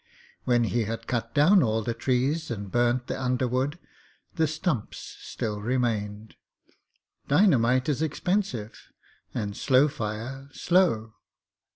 When he had cut down all the trees and burned the under wood the stumps still remained. Dynamite is expensive and slow fire slow.